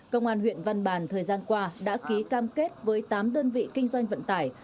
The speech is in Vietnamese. công an huyện văn bàn thời gian qua đã ký cam kết với tám đơn vị kinh doanh vận tải